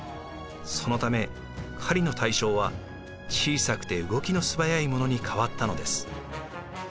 そのため狩りの対象は小さくて動きの素早いものに変わったのです。